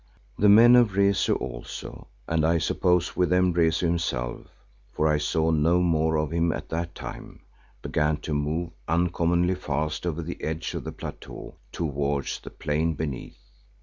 The men of Rezu also, and I suppose with them Rezu himself, for I saw no more of him at that time, began to move uncommonly fast over the edge of the plateau towards the plain beneath.